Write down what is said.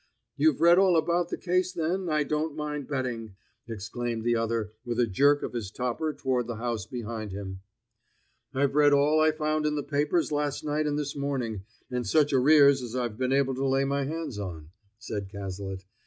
"You've read all about the case then, I don't mind betting!" exclaimed the other with a jerk of his topper toward the house behind him. "I've read all I found in the papers last night and this morning, and such arrears as I've been able to lay my hands on," said Cazalet.